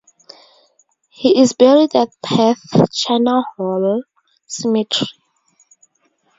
He is buried at Perth (China Wall) Cemetery.